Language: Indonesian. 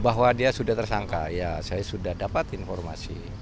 bahwa dia sudah tersangka ya saya sudah dapat informasi